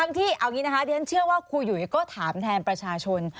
ทั้งที่เอางี้นะคะเดี๋ยวฉันเชื่อว่าคู่หยุยก็ถามแทนประชาชน